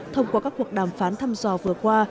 thông qua các cuộc đàm phán thăm dò vừa qua